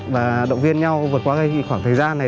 và động viên nhau vượt qua khoảng thời gian này